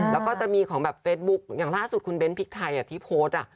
แล้วก็จะมีของแบบเฟซบุ๊คอย่างล่าสุดคุณเบ้นพริกไทยที่โพสต์